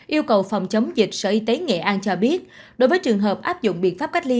yêu cầu phòng chống dịch sở y tế nghệ an cho biết đối với trường hợp áp dụng biện pháp cách ly